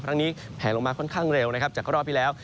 ครั้งนี้แผลลงมาค่อนข้างเร็วนะครับจากรอบที่แล้ว